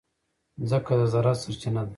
مځکه د زراعت سرچینه ده.